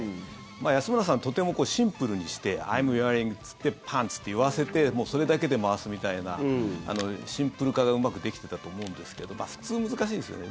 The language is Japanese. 安村さん、とてもシンプルにしてアイム・ウェアリングって言ってパンツ！って言わせてそれだけで回すみたいなシンプル化がうまくできてたと思うんですけど普通、難しいですよね。